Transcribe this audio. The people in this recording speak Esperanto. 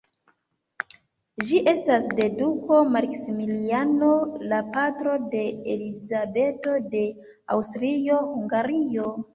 Ĝi estas de duko Maksimiliano, la patro de Elizabeto de Aŭstrio-Hungario.